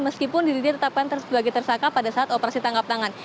meskipun dirinya tetapkan sebagai tersangka pada saat operasi tangkap tangan